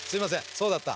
そうだった。